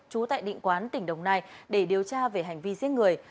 trú tại định quán tỉnh đồng nai để điều tra về hành vi giết người